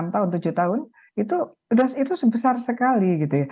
enam tahun tujuh tahun itu sebesar sekali